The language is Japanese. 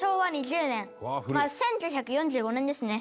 １９４５年ですね。